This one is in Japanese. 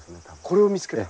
これを見つけた。